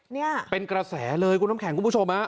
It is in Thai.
เนี่ยเป็นกระแสเลยคุณน้ำแข็งคุณผู้ชมฮะ